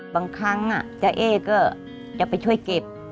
บางครั้งเจ้าเอ๊ก็จะไปช่วยเก็บ